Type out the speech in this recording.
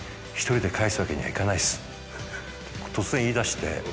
突然言い出して。